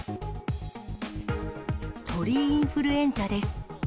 鳥インフルエンザです。